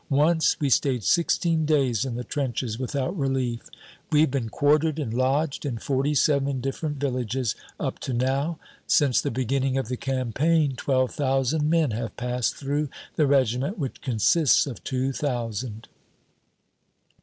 Once we stayed sixteen days in the trenches without relief. We've been quartered and lodged in forty seven different villages up to now. Since the beginning of the campaign, twelve thousand men have passed through the regiment, which consists of two thousand."